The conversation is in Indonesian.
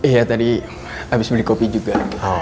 iya tadi habis beli kopi juga